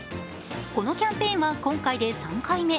このキャンペーンは今回で３回目。